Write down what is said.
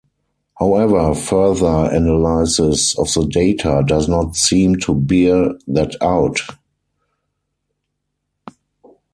However, further analysis of the data does not seem to bear that out.